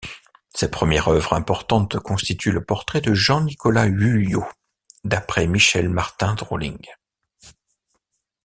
Sa première œuvre importante constitue le portrait de Jean-Nicolas Huyot d'après Michel Martin Drolling.